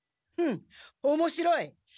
うんおもしろい！